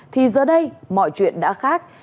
thì giờ đây mọi chuyện đã khác